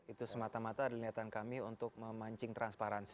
itu semata mata adalah niatan kami untuk memancing transparansi